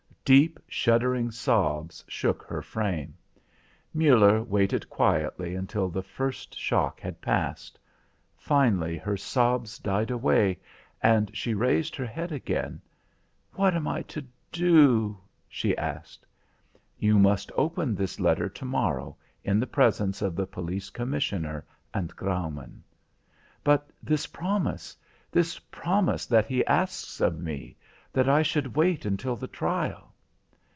Deep shuddering sobs shook her frame. Muller waited quietly until the first shock had passed. Finally her sobs died away and she raised her head again. "What am I to do?" she asked. "You must open this letter to morrow in the presence of the Police Commissioner and Graumaun." "But this promise? This promise that he asks of me that I should wait until the trial?"